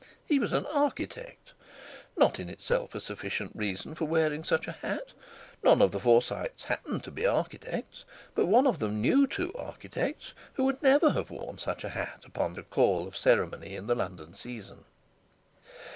He was an architect, not in itself a sufficient reason for wearing such a hat. None of the Forsytes happened to be architects, but one of them knew two architects who would never have worn such a hat upon a call of ceremony in the London season.